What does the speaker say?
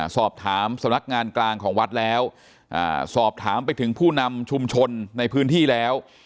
สำนักงานกลางของวัดแล้วสอบถามไปถึงผู้นำชุมชนในพื้นที่แล้ว